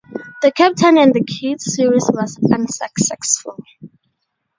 "The Captain and The Kids" series was unsuccessful.